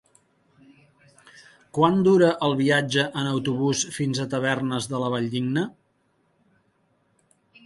Quant dura el viatge en autobús fins a Tavernes de la Valldigna?